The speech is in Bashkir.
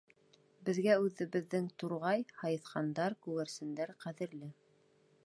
Беҙгә үҙебеҙҙең турғай, һайыҫҡандар, күгәрсендәр ҡәҙерле.